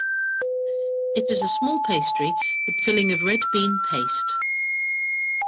It is a small pastry with a filling of red bean paste.